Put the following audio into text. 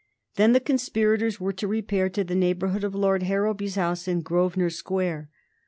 Then the conspirators were to repair to the neighborhood of Lord Harrowby's house in Grosvenor Square.